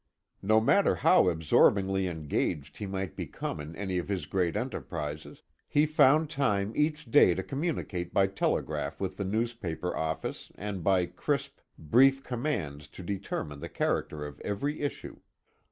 No matter how absorbingly engaged he might become in any of his great enterprises, he found time each day to communicate by telegraph with the newspaper office and by crisp, brief commands to determine the character of every issue.